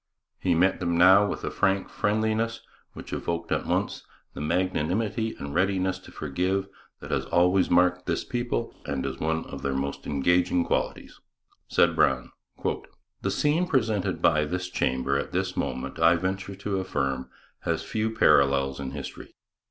He met them now with a frank friendliness which evoked at once the magnanimity and readiness to forgive that has always marked this people and is one of their most engaging qualities. Said Brown: The scene presented by this chamber at this moment, I venture to affirm, has few parallels in history.